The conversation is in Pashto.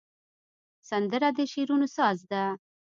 سندره د شعرونو ساز ده